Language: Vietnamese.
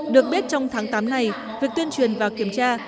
được biết trong tháng tám này việc tuyên truyền và kiểm tra